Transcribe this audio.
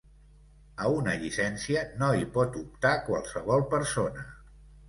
A una llicència no hi pot optar qualsevol persona.